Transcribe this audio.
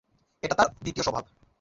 এটা তার দ্বিতীয় স্বভাব।